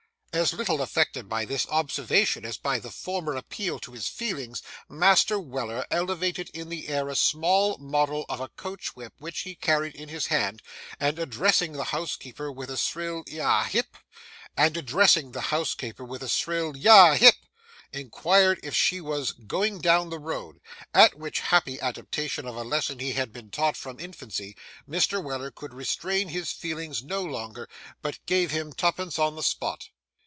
As little affected by this observation as by the former appeal to his feelings, Master Weller elevated in the air a small model of a coach whip which he carried in his hand, and addressing the housekeeper with a shrill 'ya—hip!' inquired if she was 'going down the road;' at which happy adaptation of a lesson he had been taught from infancy, Mr. Weller could restrain his feelings no longer, but gave him twopence on the spot.